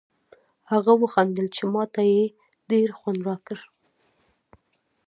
هغه و خندل چې ما ته یې ډېر خوند راکړ.